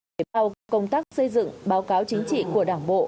để bao công tác xây dựng báo cáo chính trị của đảng bộ